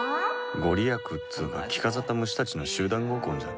御利益っつうか着飾った虫たちの集団合コンじゃん。